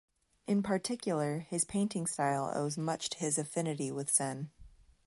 In particular, his painting style owes much to his affinity with Zen.